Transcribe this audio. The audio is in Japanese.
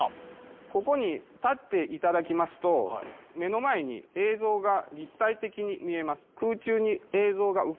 ここに立っていただきますと目の前にように見えます